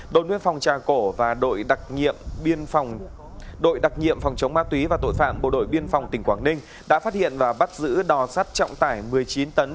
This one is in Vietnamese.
đôi miếng phòng tra cổ và đội đặc nhiệm phòng chống ma túy và tội phạm bộ đội biên phòng tỉnh quảng đinh đã phát hiện và bắt giữ đò sắt trọng tải một mươi chín tấn